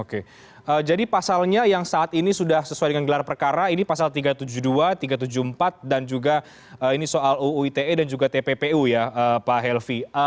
oke jadi pasalnya yang saat ini sudah sesuai dengan gelar perkara ini pasal tiga ratus tujuh puluh dua tiga ratus tujuh puluh empat dan juga ini soal uu ite dan juga tppu ya pak helvi